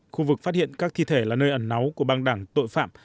khu vực phát hiện các thi thể là nơi ẩn náu của băng đảng tội phạm